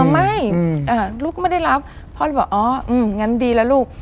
ไม่ลูกก็ไม่ได้รับพ่อเลยบอกอ๋องั้นดีแล้วลูก